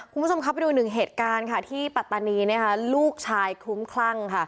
คุณผู้ชมครับไปดูหนึ่งเหตุการณ์ค่ะที่ปัตตานีนะคะลูกชายคลุ้มคลั่งค่ะ